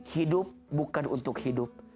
hidup bukan untuk hidup